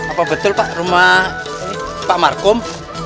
apa betul pak rumah pak markum